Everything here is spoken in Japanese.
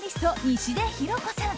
西出ひろ子さん。